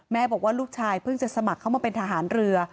บอกว่าลูกชายเพิ่งจะสมัครเข้ามาเป็นทหารเรือ